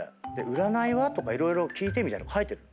占いは？とか色々聞いてみたいの書いてる。